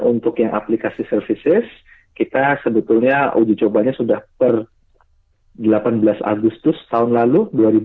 untuk yang aplikasi services kita sebetulnya uji cobanya sudah per delapan belas agustus tahun lalu dua ribu dua puluh